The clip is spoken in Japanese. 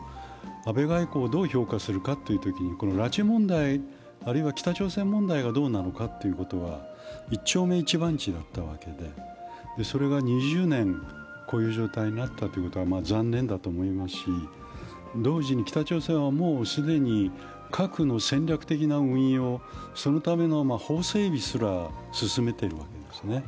安倍外交をどう評価するかというときに、拉致問題あるいは北朝鮮問題がどうなのかということは一丁目一番地だったわけで、それが２０年、こういう状態になったというのは残念だと思いますし、同時に北朝鮮はもう既に核の戦略的な運用、そのための法整備すら進めているんですね。